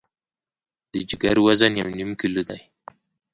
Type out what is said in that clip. د جګر وزن یو نیم کیلو دی.